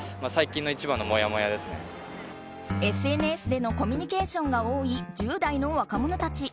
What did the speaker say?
ＳＮＳでのコミュニケーションが多い１０代の若者たち。